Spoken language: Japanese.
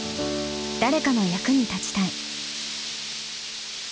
誰かの役に立ちたい。